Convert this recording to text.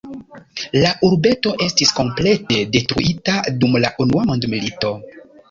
La urbeto estis komplete detruita dum la unua mondmilito.